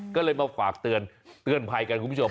ก็เลยมาฝากเตือนภัยกันคุณผู้ชม